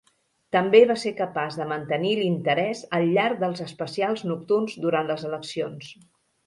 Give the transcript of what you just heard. També va ser capaç de mantenir l'interès al llarg dels especials nocturns durant les eleccions.